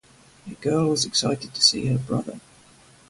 A girl was excited to see her brother.